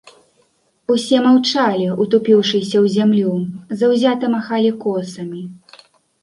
Усе маўчалі, утупіўшыся ў зямлю, заўзята махалі косамі.